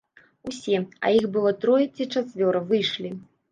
Усе, а іх было трое ці чацвёра, выйшлі.